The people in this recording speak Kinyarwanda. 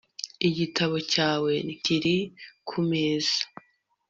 igitabo cyawe kiri kumeza